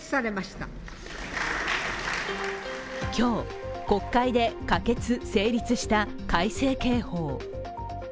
今日、国会で可決・成立した改正刑法。